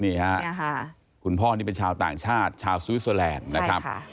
นี่ฮะคุณพ่อนี่เป็นชาวต่างชาติชาวสวิสเตอร์แลนด์นะครับ